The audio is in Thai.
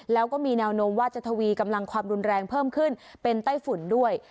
แล้วก็มีแนวโน้มว่าจะทวีกำลังความรุนแรงเพิ่มขึ้นเป็นไต้ฝุ่นด้วย